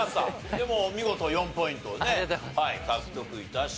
でもお見事４ポイントね獲得致しました。